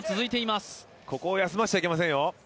ここを休ませちゃいけませんよ。